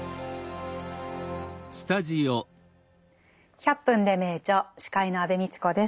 「１００分ｄｅ名著」司会の安部みちこです。